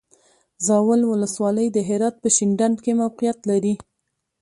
زاول ولسوالی د هرات په شینډنډ کې موقعیت لري.